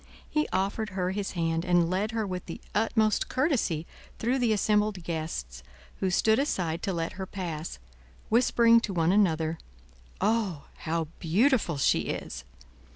He offered her his hand, and led her with the utmost courtesy through the assembled guests, who stood aside to let her pass, whispering to one another, "Oh, how beautiful she is!"